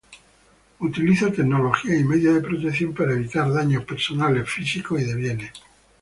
Utiliza tecnologías y medios de protección para evitar daños personales, físicos y de bienes.